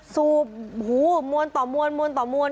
สูบหูมวลต่อมวลมวลต่อมวล